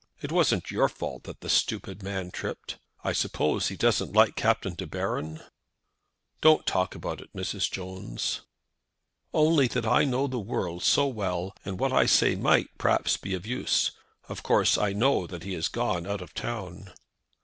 It wasn't your fault that the stupid man tripped. I suppose he doesn't like Captain De Baron?" "Don't talk about it, Mrs. Jones." "Only that I know the world so well that what I say might, perhaps, be of use. Of course I know that he has gone out of town."